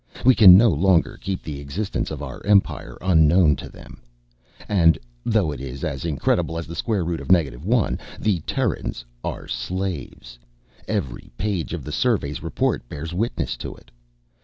We can no longer keep the existence of our Empire unknown to them. And (though it is as incredible as [sqrt]( 1)) the Terrans are slaves! Every page of the survey's report bears witness to it.